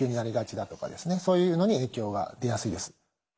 そういうのに影響が出やすいです。